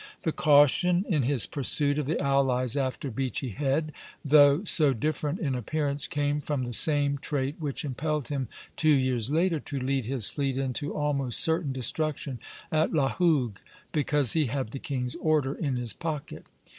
The caution in his pursuit of the allies after Beachy Head, though so different in appearance, came from the same trait which impelled him two years later to lead his fleet into almost certain destruction at La Hougue, because he had the king's order in his pocket.